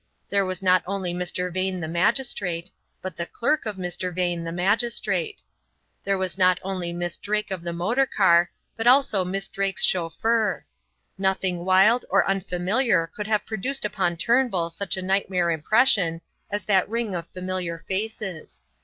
There was not only Mr. Vane the magistrate, but the clerk of Mr. Vane, the magistrate. There was not only Miss Drake of the motor car, but also Miss Drake's chauffeur. Nothing wild or unfamiliar could have produced upon Turnbull such a nightmare impression as that ring of familiar faces.